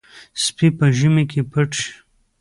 سپي په ژمي کې پټ شي.